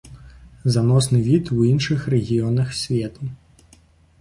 Заносны від у іншых рэгіёнах свету.